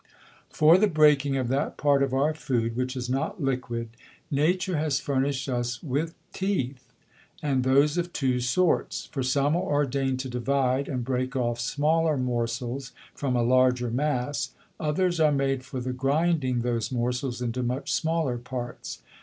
For the breaking of that part of our Food, which is not liquid, Nature has furnish'd us with Teeth, and those of two sorts: For some are ordain'd to divide and break off smaller Morsels from a larger Mass; others are made for the grinding those Morsels into much smaller parts.